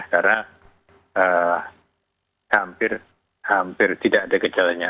karena hampir tidak ada gejalanya